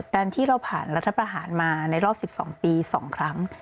การที่เราผ่านรัฐประหารมาในรอบ๑๒ปี๒ครั้ง